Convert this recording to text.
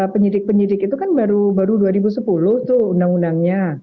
penyidik penyidik itu kan baru dua ribu sepuluh tuh undang undangnya